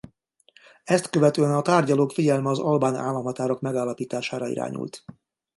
Ezt követően a tárgyalók figyelme az albán államhatárok megállapítására irányult.